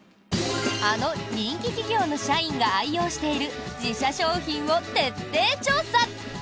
あの人気企業の社員が愛用している自社商品を徹底調査！